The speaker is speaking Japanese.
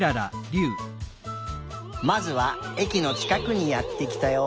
まずはえきのちかくにやってきたよ。